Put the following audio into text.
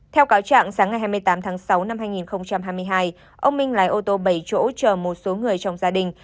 theo cáo trạng sáng ngày hai mươi tám tháng sáu năm hai nghìn hai mươi hai ông minh lái ô tô bảy chỗ chờ một số người trong gia đình